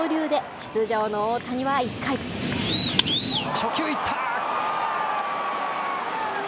初球、いった。